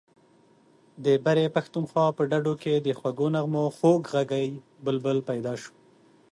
د برې پښتونخوا په ډډو کې د خوږو نغمو خوږ غږی بلبل پیدا شو.